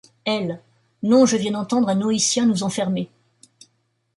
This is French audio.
Elle : Non, je viens d’entendre un Noétien nous enfermer.